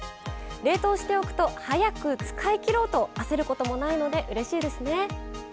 冷凍しておくと早く使い切ろうと焦ることもないのでうれしいですね。